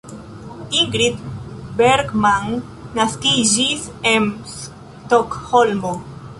Ingrid Bergman naskiĝis en Stokholmo.